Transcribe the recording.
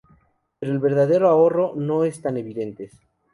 Pero el verdadero ahorro no es tan evidentes.